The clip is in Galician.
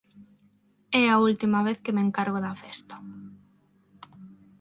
É a última vez que me encargo da festa.